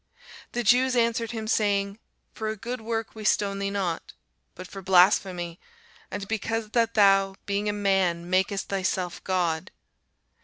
The Jews answered him, saying, For a good work we stone thee not; but for blasphemy; and because that thou, being a man, makest thyself God.